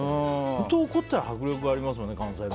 本当に怒ったら迫力ありますよね。